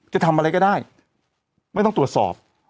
จะทำอะไรก็ได้ไม่ต้องตรวจสอบ